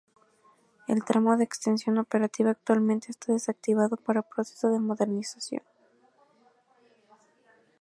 El tramo de extensión operativa actualmente está desactivado para proceso de modernización.